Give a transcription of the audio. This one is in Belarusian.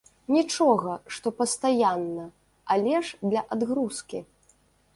Нічога, што пастаянна, але ж для адгрузкі!